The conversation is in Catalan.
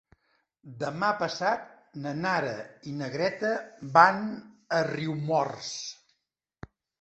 Demà passat na Nara i na Greta van a Riumors.